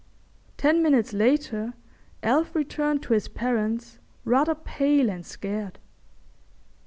Ten minutes later Alf returned to his parents rather pale and scared.